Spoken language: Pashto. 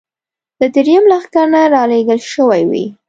له درېیم لښکر نه را لېږل شوې وې.